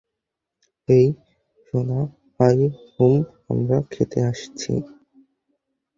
হেই, সোনা hi um, আমরা খেতে আসছি।